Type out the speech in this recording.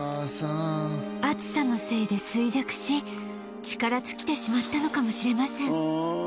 暑さのせいで衰弱し力尽きてしまったのかもしれません